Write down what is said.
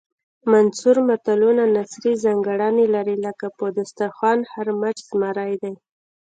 منثور متلونه نثري ځانګړنې لري لکه په دسترخوان هر مچ زمری دی